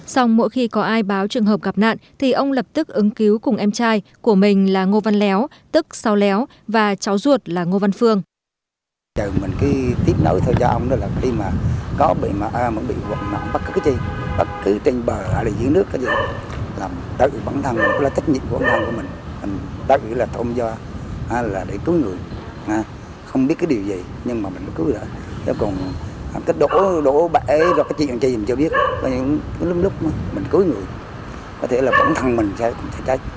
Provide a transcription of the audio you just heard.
sau mỗi khi có ai báo trường hợp gặp nạn thì ông lập tức ứng cứu cùng em trai của mình là ngô văn léo tức sao léo và cháu ruột là ngô văn phương